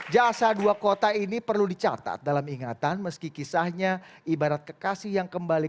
jasa dua kota ini perlu dicatat dalam ingatan meski kisahnya ibarat kekasih yang kembali